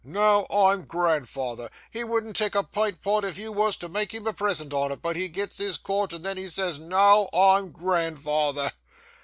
"Now I'm grandfather!" He wouldn't take a pint pot if you wos to make him a present on it, but he gets his quart, and then he says, "Now I'm grandfather!"